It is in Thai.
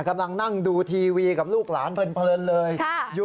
กำลังนั่งดูทีวีกับลูกหลานเพลินเลย